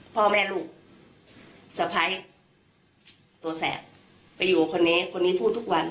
พ่อแม่ลูกสะพ้ายตัวแสบไปอยู่คนนี้คนนี้พูดทุกวัน